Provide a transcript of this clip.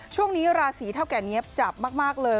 ช่วงนี้ราศีเท่าแก่เนี๊ยบจับมากเลย